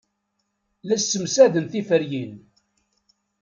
La ssemsaden tiferyin.